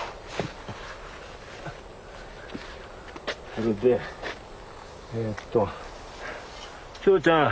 これでえっと正ちゃん。